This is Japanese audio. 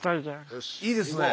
いいですね。